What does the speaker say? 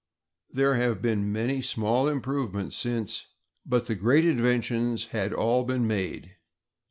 There have been many small improvements since, but the great inventions had all been made.